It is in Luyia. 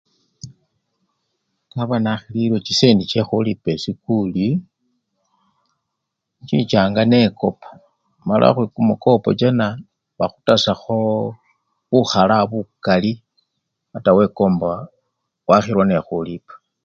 Naba nakhililwe chisendi chekhulipa esikuli, inchichanga nekopa mala mukopo chana bakhutasakhooo bukhala bukali ata wekombaa! wakhilwa nekhulipa.